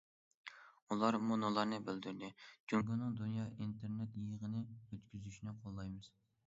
ئۇلار مۇنۇلارنى بىلدۈردى: جۇڭگونىڭ دۇنيا ئىنتېرنېت يىغىنى ئۆتكۈزۈشىنى قوللايمىز.